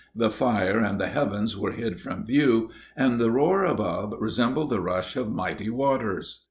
The fire and the heavens were hid from view, and the roar above resembled the rush of mighty waters.